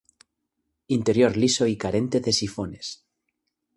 Interior liso y carente de sifones.